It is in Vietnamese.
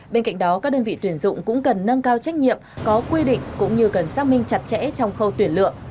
bên cạnh đó các đơn vị tuyển dụng cũng cần nâng cao trách nhiệm có quy định cũng như cần xác minh chặt chẽ trong khâu tuyển lựa